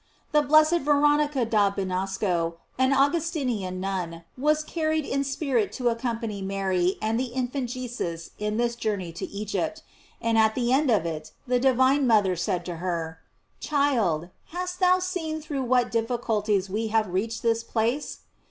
The blessed Veronica da Binasco, an Augustinian nun, was carried in spirit to accompany Mary and the infant Jesus in this journey to Egypt, and at the end of it the divine mother said to her: "Child, hast thou seen through what difficulties we have reached this place?